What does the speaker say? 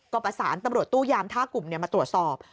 ก็ประสานตำรวจตู้ยามท่ากลุ่มมาตรวจสอบ